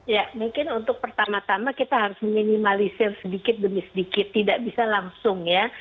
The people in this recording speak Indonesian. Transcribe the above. ya mungkin untuk pertama tama kita harus minimalisir sedikit demi sedikit tidak bisa langsung ya